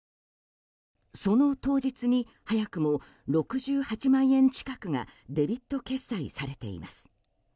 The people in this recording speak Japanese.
その当日に早くも６８万円近くがデビット決済されています。